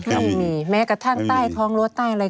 ไม่มีแม้กระทั่งใต้ท้องรถใต้อะไร